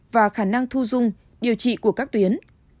và khả năng thu dung điều trị của các tuyến